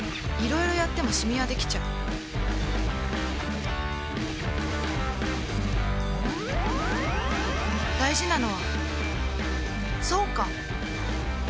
いろいろやってもシミはできちゃう大事なのはそうか！